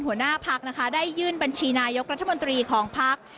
หัวหน้าพักนะคะได้ยื่นบัญชีนายกรัฐมนตรีของพัก